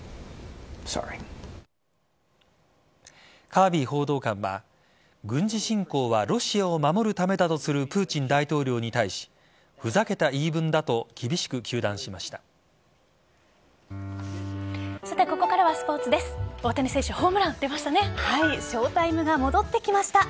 カービー報道官は軍事侵攻はロシアを守るためだとするプーチン大統領に対しふざけた言い分だと厳しく糾弾しました。